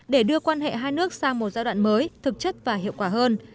để đưa quan hệ hai nước sang một giai đoạn mới thực chất và hiệu quả hơn